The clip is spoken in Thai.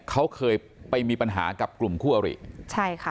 เขาเคยไปมีปัญหากับกลุ่มคู่อริใช่ค่ะ